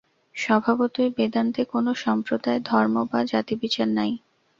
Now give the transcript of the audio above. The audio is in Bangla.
স্বভাবতই বেদান্তে কোন সম্প্রদায়, ধর্ম বা জাতিবিচার নাই।